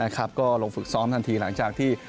ก็ลงฝึกซ้อมทันทีหลังจากที่